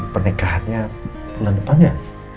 pernikahannya bulan depan ya